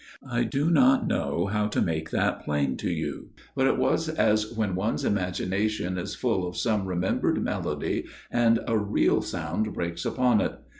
I do not know how to make that plain to you ; but it was as when one's imagination is full of some remembered melody and a real sound breaks upon it.